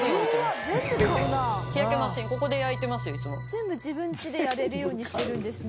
全部自分ちでやれるようにしてるんですね。